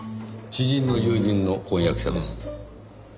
知人の友人の婚約者です。